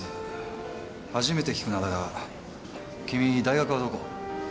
初めて聞く名だが君大学はどこ？